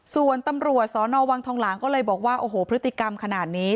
ส่วนตำรวจสนวังทองหลางก็เลยบอกว่าโอ้โหพฤติกรรมขนาดนี้